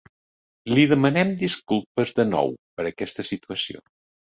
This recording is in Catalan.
Li demanem disculpes de nou per aquesta situació.